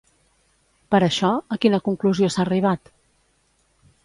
Per això, a quina conclusió s'ha arribat?